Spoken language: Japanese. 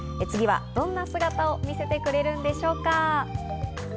次はどんな姿を見せてくれるのでしょうか？